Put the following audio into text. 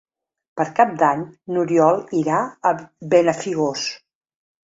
Per Cap d'Any n'Oriol irà a Benafigos.